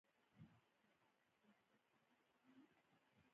ایا مصنوعي ځیرکتیا د راتلونکي په اړه وېره نه پیاوړې کوي؟